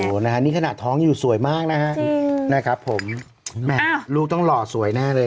โอ้โฮนี่ขนาดท้องอยู่สวยมากนะครับนั่นครับผมแม่ลูกต้องหล่อสวยหน้าเลย